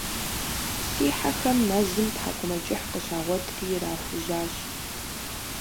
Си хьэхэм мэзым тхьэкӀумэкӀыхь къыщагъуэтри ирахужьащ.